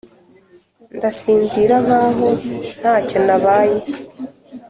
ndasinzira nkaho ntacyo nabaye.